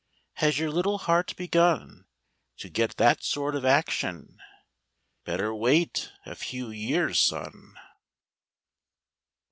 Has your little heart begun To get that sort of action? Better wait a few years, son.